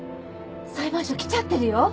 裁判所来ちゃってるよ。